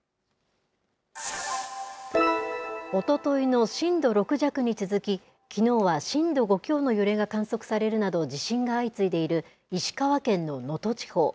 おとといの震度６弱に続き、きのうは震度５強の揺れが観測されるなど、地震が相次いでいる石川県の能登地方。